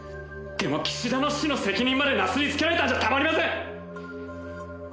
でも岸田の死の責任までなすりつけられたんじゃたまりません！